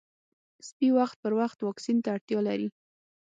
سپي وخت پر وخت واکسین ته اړتیا لري.